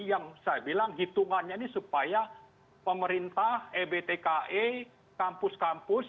yang saya bilang hitungannya ini supaya pemerintah ebtke kampus kampus